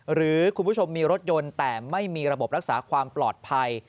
หรือคุณผู้ชมมีรถยนต์แต่ไม่มีระบบรักษาความปลอดภัย